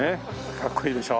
かっこいいでしょ？